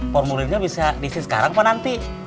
formulirnya bisa diisi sekarang pak nanti